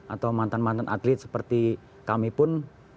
atau mantan mantan atlet seperti kami pun